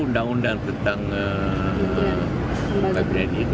undang undang tentang kbri itu